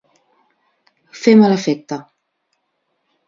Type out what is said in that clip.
Fer mal efecte.